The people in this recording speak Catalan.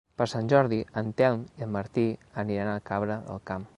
Per Sant Jordi en Telm i en Martí aniran a Cabra del Camp.